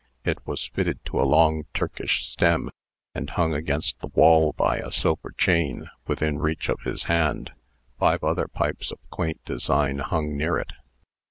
It was fitted to a long Turkish stem, and hung against the wall by a silver chain, within reach of his hand. Five other pipes of quaint design hung near it.